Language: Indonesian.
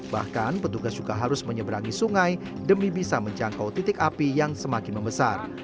bahkan petugas juga harus menyeberangi sungai demi bisa menjangkau titik api yang semakin membesar